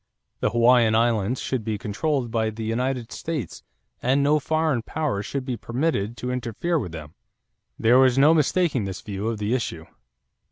The Hawaiian Islands should be controlled by the United States and no foreign power should be permitted to interfere with them." There was no mistaking this view of the issue.